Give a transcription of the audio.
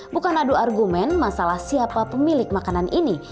bukan adu argumen masalah siapa pemilik makanan ini